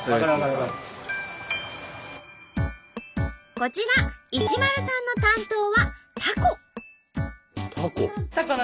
こちら石丸さんの担当はタコ。